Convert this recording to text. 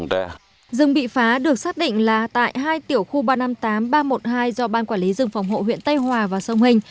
rừng bị phá được xác định là tại hai tiểu khu ba trăm năm mươi tám ba trăm một mươi hai do ban quản lý rừng phòng hộ huyện tây hòa và sông hình